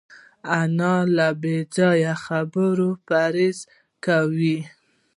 انا له بېځایه خبرو پرهېز کوي